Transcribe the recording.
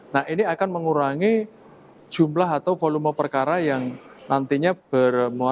nah ini akan mengurangi jumlah atau volume perkara yang nantinya bermuatan